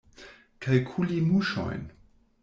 Kalkuli muŝojn.